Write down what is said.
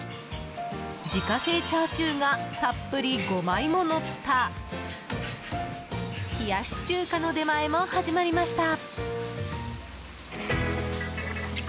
自家製チャーシューがたっぷり５枚ものった冷やし中華の出前も始まりました。